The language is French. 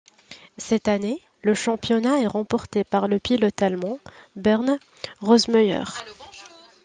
Cette année, le championnat est remporté par le pilote allemand Bernd Rosemeyer.